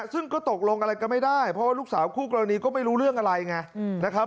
ซึ่งก็ตกลงอะไรก็ไม่ได้เพราะว่าลูกสาวคู่กรณีก็ไม่รู้เรื่องอะไรไงนะครับ